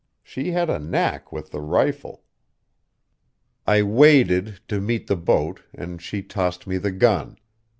She had a knack with the rifle.... "I waded to meet the boat, and she tossed me the gun.